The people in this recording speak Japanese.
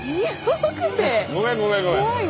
ごめんごめんごめん。